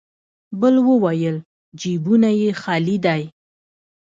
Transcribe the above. بل وويل: جيبونه يې خالي دی.